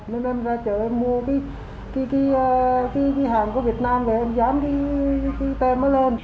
nên em ra chợ em mua cái hàng của việt nam về em dán cái tem nó lên